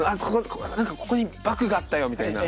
「何かここにバッグがあったよ」みたいな。